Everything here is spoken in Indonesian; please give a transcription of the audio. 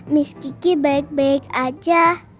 miss kiki baik baik aja